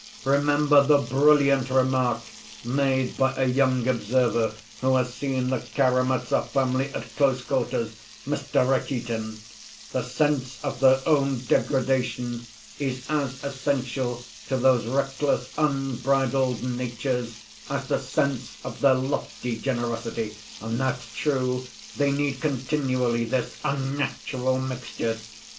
Remember the brilliant remark made by a young observer who has seen the Karamazov family at close quarters—Mr. Rakitin: 'The sense of their own degradation is as essential to those reckless, unbridled natures as the sense of their lofty generosity.' And that's true, they need continually this unnatural mixture.